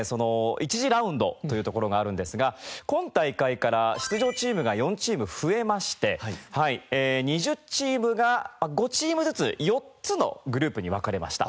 １次ラウンドというところがあるんですが今大会から出場チームが４チーム増えまして２０チームが５チームずつ４つのグループに分かれました。